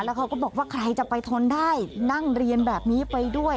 เขาก็บอกว่าใครจะไปทนได้นั่งเรียนแบบนี้ไปด้วย